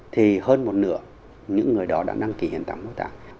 thì hơn một nửa những người đó đã đăng ký hiện tạng mô tả